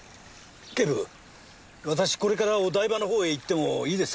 警部私これからお台場の方へ行ってもいいですかね？